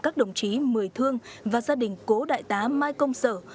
các đồng chí mười thương và gia đình cố đại tá mai công sở